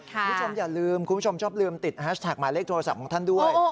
คุณผู้ชมอย่าลืมคุณผู้ชมอยู่ชอบใส้หมายเลขโทรศัพท์ของทำด้วย